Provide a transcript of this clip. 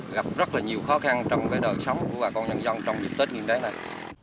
gặp rất là nhiều khó khăn trong cái đợt sống của bà con nhân dân trong những tết nghiêm trang này